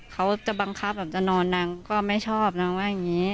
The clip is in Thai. เขาจะบังคับแบบจะนอนนางก็ไม่ชอบนางว่าอย่างนี้